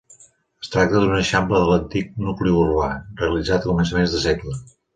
Es tracta d'un eixample de l'antic nucli urbà, realitzat a començaments de segle.